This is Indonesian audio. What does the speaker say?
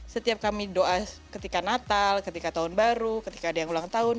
setiap kami doa ketika natal ketika tahun baru ketika ada yang ulang tahun